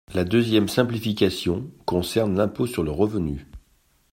La deuxième simplification concerne l’impôt sur le revenu.